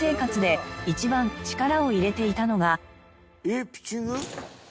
「えっピッチング？」